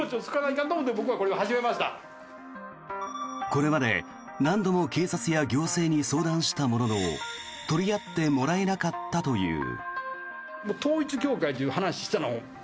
これまで何度も警察や行政に相談したものの取り合ってもらえなかったという。